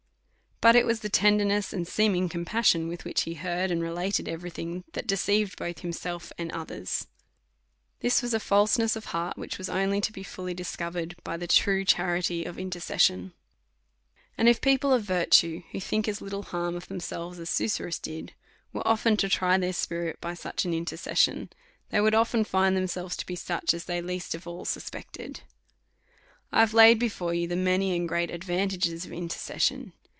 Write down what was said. But it was the tenderness and seeming compas sion with which he heard and related every thing, that deceived both himself and others. This was a falseness of heart, which was only to be fully discover ed by the true charity of intercession. And if people of virtue, who think little harm of themselves, as Su surrus did, were often to try their spirit by such an in tercession, they would often find themselves to be such, as they least of all suspected. DEVOUT AND HOLY LIFE. 311 I have laid before you the many and great advan tages of intercession.